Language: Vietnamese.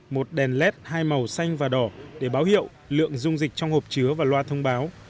một đèn led hai màu xanh và đỏ để báo hiệu lượng dung dịch trong hộp chứa và loa thông báo